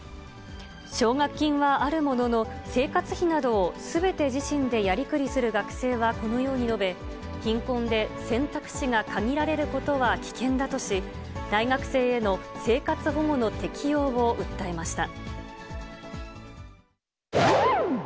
奨学金はあるものの、生活費などをすべて自身でやりくりする学生はこのように述べ、貧困で選択肢が限られることは危険だとし、大学生への生活保護の適用を訴えました。